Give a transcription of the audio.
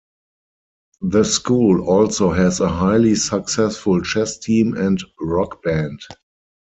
The school also has a highly successful chess team and rock band.